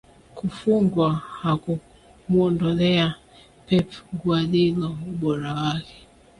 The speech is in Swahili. Kufungwa hakukumuondolea Pep Guardiola ubora wake